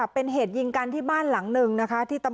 เป็นเหตุยิงกันที่บ้านหลังหนึ่งนะคะ